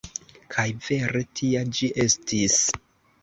Kaj vere tia ĝi estis.